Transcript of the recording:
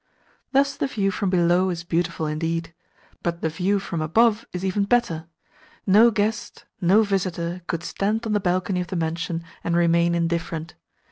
Thus the view from below is beautiful indeed. But the view from above is even better. No guest, no visitor, could stand on the balcony of the mansion and remain indifferent.